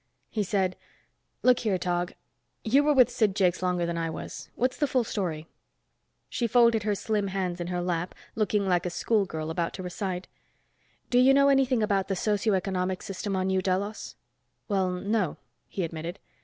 He said, "Look here, Tog, you were with Sid Jakes longer than I was. What's the full story?" She folded her slim hands in her lap, looking like a schoolgirl about to recite. "Do you know anything about the socio economic system on New Delos?" "Well, no," he admitted.